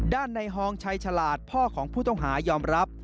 ด้านในฮองชัยฉลาดพ่อของผู้ต้องหายอมรับ